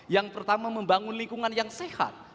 yang pertama membangun lingkungan yang sehat